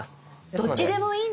どっちでもいいんだ。